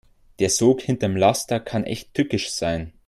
Der Sog hinterm Laster kann echt tückisch sein.